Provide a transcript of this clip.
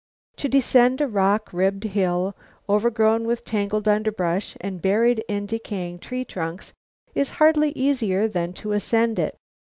To descend a rock ribbed hill, overgrown with tangled underbrush and buried in decaying tree trunks, is hardly easier than to ascend it.